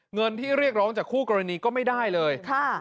เงินที่เรียกร้องจากคู่กรณีก็ไม่ได้เลย